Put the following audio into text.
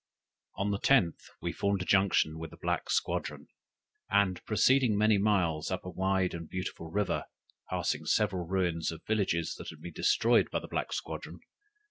"On the 10th we formed a junction with the Black squadron, and proceeded many miles up a wide and beautiful river, passing several ruins of villages that had been destroyed by the Black squadron.